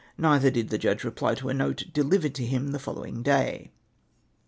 Neither did the judge reply to a note delivered to him on tlie following day.